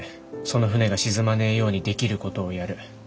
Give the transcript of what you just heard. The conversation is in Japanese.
その船が沈まねえようにできることをやる。